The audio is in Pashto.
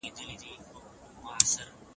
ستا په مالت کي مي خپل سیوري ته خجل نه یمه